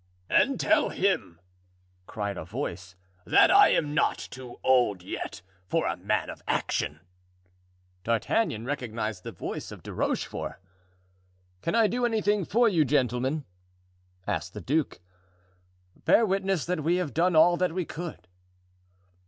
"And tell him," cried a voice, "that I am not too old yet for a man of action." D'Artagnan recognized the voice of De Rochefort. "Can I do anything for you, gentlemen?" asked the duke. "Bear witness that we have done all that we could."